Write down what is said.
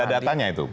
ada datanya itu